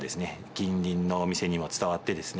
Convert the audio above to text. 近隣のお店にも伝わってですね